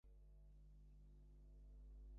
তোমাকে যেতেই হবে।